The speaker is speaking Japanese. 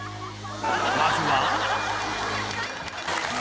まずは。